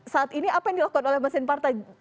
saat ini apa yang dilakukan oleh mesin partai